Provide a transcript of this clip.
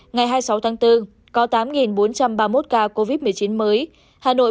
ngày hai mươi sáu tháng bốn có tám bốn trăm ba mươi một ca covid một mươi chín mới